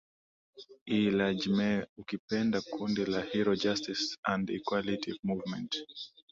i la jme ukipenda kundi la hero justice and equality movement